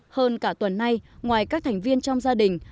hơn cả tuần nay ngoài các thành viên trong gia đình